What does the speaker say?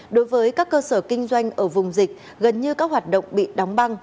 đối với các cơ sở kinh doanh ở vùng dịch gần như các hoạt động bị đóng băng